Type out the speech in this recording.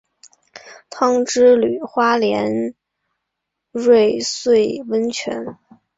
汤之旅花莲瑞穗温泉